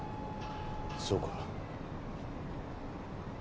そうか。